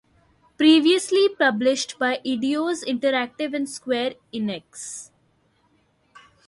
Previously published by Eidos Interactive and Square Enix.